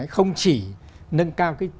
không chỉ nâng cao